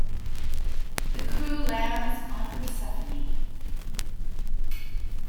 The crew lands on Persephone.